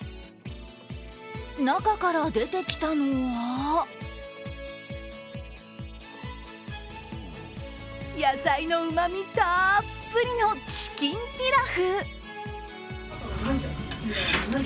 中から出てきたのは野菜のうまみたっぷりのチキンピラフ。